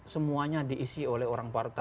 semuanya diisi oleh orang partai